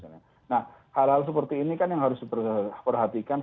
nah hal hal seperti ini kan yang harus diperhatikan